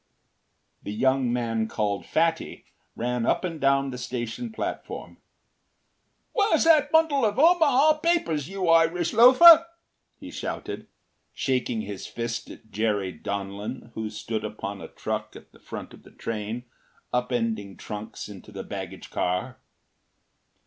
” The young man called “Fatty” ran up and down the station platform. “Where is that bundle of Omaha papers, you Irish loafer?” he shouted, shaking his fist at Jerry Donlin who stood upon a truck at the front of the train, up ending trunks into the baggage car.